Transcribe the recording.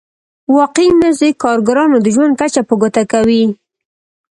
واقعي مزد د کارګرانو د ژوند کچه په ګوته کوي